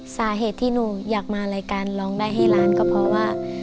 สาเหตุที่หนูอยากมารายการร้องได้ให้ล้านก็เพราะว่า